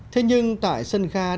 thế nhưng tại sân kha